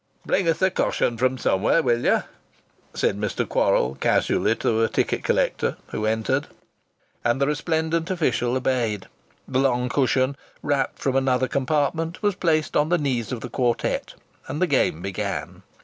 "Bring us a cushion from somewhere, will ye?" said Mr. Quorrall, casually, to a ticket collector who entered. And the resplendent official obeyed. The long cushion, rapt from another compartment, was placed on the knees of the quartette, and the game began.